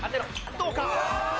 どうか？